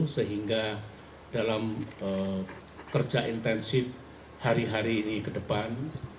sehingga dalam kerja intensif hari hari ini ke depan